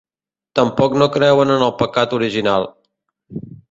Tampoc no creuen en el pecat original.